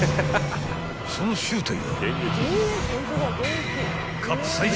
［その正体は］